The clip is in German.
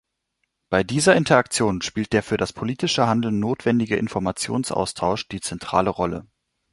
Bei dieser Interaktion spielt der für das politische Handeln notwendige Informationsaustausch die zentrale Rolle.